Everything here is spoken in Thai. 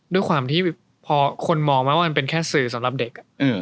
ด้วยความที่พอคนมองไหมว่ามันเป็นแค่สื่อสำหรับเด็ก